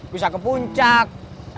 bisa ke puncak